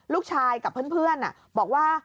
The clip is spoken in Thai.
ลูกชายกับเพื่อนบอกว่า